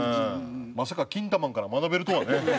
まさか『キンタマン』から学べるとはね。